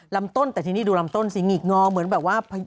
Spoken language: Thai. ลำต้นแต่ทีนี้ดูลำต้นสิงิกงอเหมือนแบบว่า